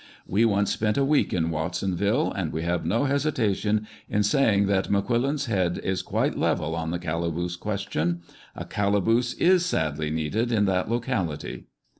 We once spent a week in Watsonville, and we have no hesitation in say ing that M'Quillan's head is quite level on the calaboose question. A calaboose is sadly needed in that locality."